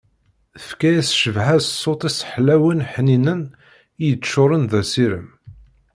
Tefka-as cbaḥa s ssut-is ḥlawen ḥninen i yeččuren d asirem.